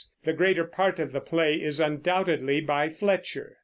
The greater part of the play is undoubtedly by Fletcher.